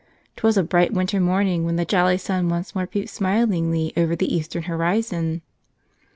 'Twas a bright winter morning when the jolly sun once more peeped smilingly over the eastern horizon.